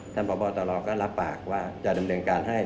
พบตรก็รับปากว่าจะดำเนินการให้